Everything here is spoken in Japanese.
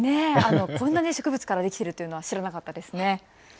こんな植物からできているのは知らなかったです。